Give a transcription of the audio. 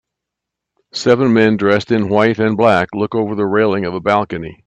Seven men dressed in white and black look over the railing of a balcony.